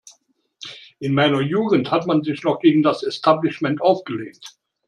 In meiner Jugend hat man sich noch gegen das Establishment aufgelehnt.